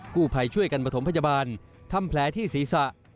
ผู้ภัยช่วยกันประถมพยาบาลทำแผลที่ศีรษะ